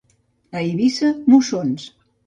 A Eivissa, mossons.